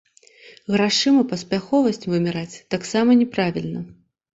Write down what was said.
Грашыма паспяховасць вымяраць таксама няправільна.